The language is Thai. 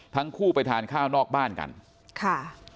ทั้งคู่ไปทานข้าวนอกบ้านกันค่ะ